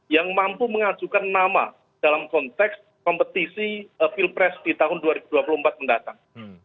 yang mampu mengajukan nama dalam konteks kompetisi pilpres di tahun dua ribu dua puluh empat mendatang